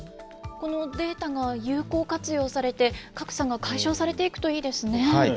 このデータが有効活用されて、格差が解消されていくといいですね。